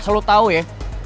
eh selalu tau ya